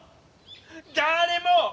誰も！